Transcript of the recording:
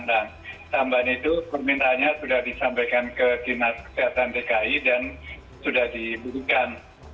dan tambahan itu permintanya sudah disampaikan ke dinas kesehatan dki dan sudah diberikan